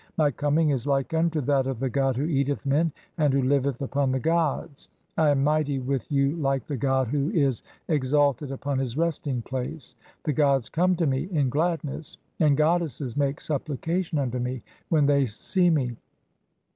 My coming is "like unto that of the god who eateth men and (n) who liveth "upon the gods. I am mighty with you like the god who is "exalted upon his resting place ; the gods come to me in glad "ness, and goddesses make supplication (12) unto me when they "see me.